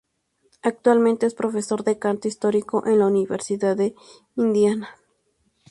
Actualmente es profesor de canto histórico en la Universidad de Indiana.